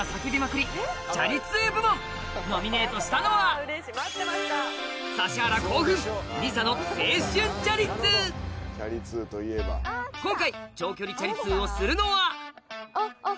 ノミネートしたのは今回長距離チャリ通をするのはあっあっ！